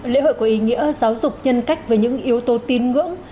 lễ hội có ý nghĩa giáo dục nhân cách với những yếu tố tín ngưỡng